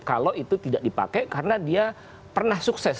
kalau itu tidak dipakai karena dia pernah sukses